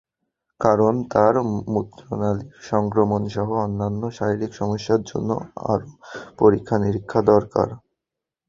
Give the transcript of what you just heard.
কারণ, তাঁর মূত্রনালির সংক্রমণসহ অন্যান্য শারীরিক সমস্যার জন্য আরও পরীক্ষা-নিরীক্ষা দরকার।